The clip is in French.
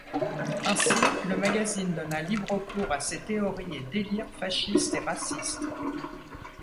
Ainsi, le magazine donna libre cours à ses théories et délires fascistes et racistes.